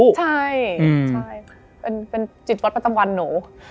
ใช่เป็นจิตวัดประจำวันหนู